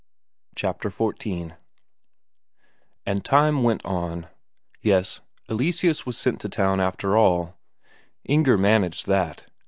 Chapter XIV And time went on. Yes, Eleseus was sent to town after all; Inger managed that.